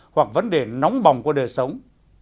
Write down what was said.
hoặc vấn đề nóng bòng của đời sống